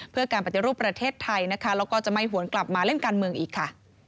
เพื่อการปฏิรูปประเทศไทยนะคะแล้วก็จะไม่หวนกลับมาเล่นการเมืองอีกค่ะ